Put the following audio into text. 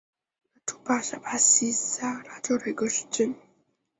阿拉图巴是巴西塞阿拉州的一个市镇。